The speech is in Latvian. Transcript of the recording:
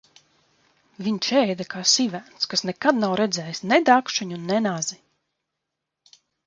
Viņš ēda kā sivēns, kas nekad nav redzējis ne dakšiņu, ne nazi!